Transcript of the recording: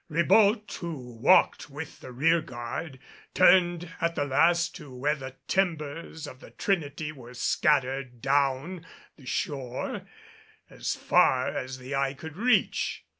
Ribault, who walked with the rear guard, turned at the last to where the timbers of the Trinity were scattered down the shore as far as the eye could reach.